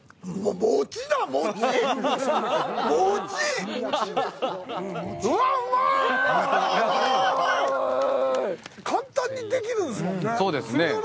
そうですね。